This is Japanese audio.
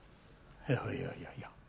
いやいやいやいや。